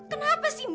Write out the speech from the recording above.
kenapa sih mbak